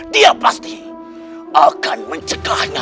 dia pasti akan mencegahnya